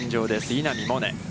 稲見萌寧。